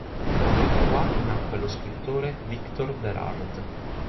Qua nacque lo scrittore Victor Bérard.